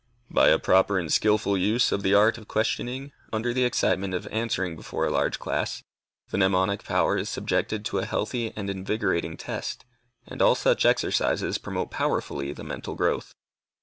By a proper and skilful use of the art of questioning, under the excitement of answering before a large class, the mnemonic power is subjected to a healthy and invigorating test, and all such exercises promote powerfully the mental growth.